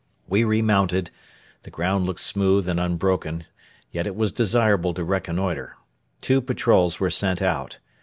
We remounted; the ground looked smooth and unbroken; yet it was desirable to reconnoitre. Two patrols were sent out.